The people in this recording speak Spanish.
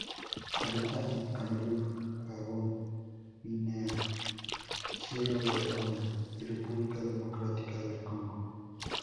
Habita en Camerún Gabón, Guinea, Sierra Leona, y República Democrática del Congo.